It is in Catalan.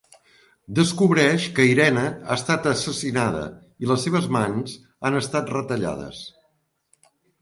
Descobreix que Irene ha estat assassinada i les seves mans han estat retallades.